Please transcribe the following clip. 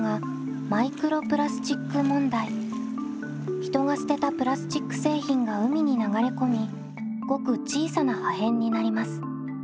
人が捨てたプラスチック製品が海に流れ込みごく小さな破片になります。